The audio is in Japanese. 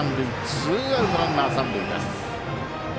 ツーアウト、ランナー三塁です。